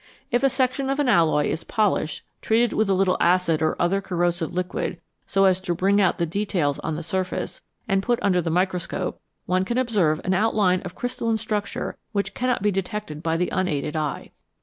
If a section of an alloy is polished, treated with a little acid or other corrosive liquid, so as to bring out the details on the surface, and put under the microscope, one can observe an outline of crystalline structure which cannot be detected by the unaided eye.